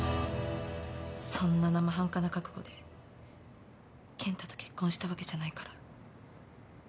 そんな生半可な覚悟で健太と結婚したわけじゃないから。